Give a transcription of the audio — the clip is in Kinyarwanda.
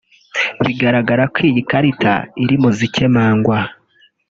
bikagaragara ko iyo karita iri mu zikemangwa